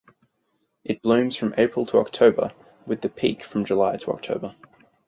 It blooms from April to October with the peak from July to October.